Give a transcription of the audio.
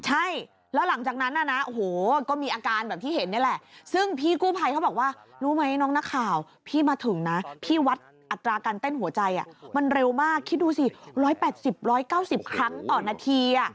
ใช่แล้วหลังจากนั้นน่ะนะโอ้โหก็มีอาการแบบที่เห็นนี่แหละซึ่งพี่กู้ภัยเขาบอกว่ารู้ไหมน้องนักข่าวพี่มาถึงนะพี่วัดอัตราการเต้นหัวใจมันเร็วมากคิดดูสิ๑๘๐๑๙๐ครั้งต่อนาที